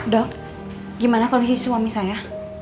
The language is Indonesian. dok gimana kondisi suami saya